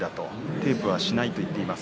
テープはしないと言っています。